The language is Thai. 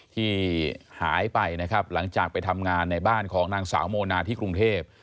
ที่หายไปนะครับหลังจากไปทำงานในบ้านของนางสาวโมนาที่กรุงเทพ